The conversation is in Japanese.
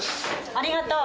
ありがとう！